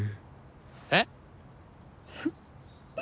えっ！？